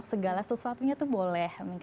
segala sesuatunya itu boleh